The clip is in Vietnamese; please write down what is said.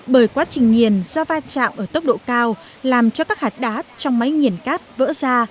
bởi quá trình nghiền do va chạm ở tốc độ cao làm cho các hạt đá trong máy nghiền cát vỡ ra